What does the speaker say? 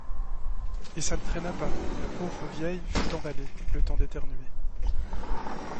Et ça ne traîna pas, la pauvre vieille fut emballée, le temps d'éternuer.